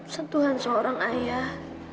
sentuhan seorang ayah